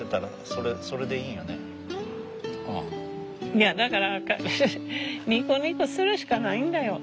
いやだからニコニコするしかないんだよ。